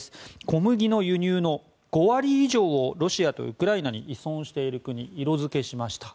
小麦の輸入の５割以上をロシアとウクライナに依存している国色付けしました。